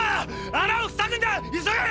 穴を塞ぐんだ急げ！！